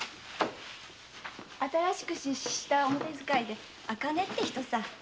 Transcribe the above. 新しく出仕した表使いで茜って人さ。